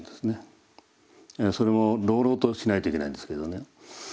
それを朗々としないといけないんですけどね。